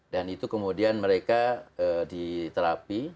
dan itu kemudian mereka diterapi